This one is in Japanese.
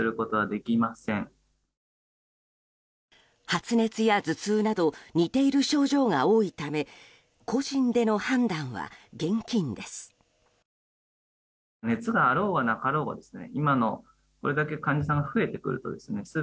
発熱や頭痛など似ている症状が多いため個人での判断は厳禁です。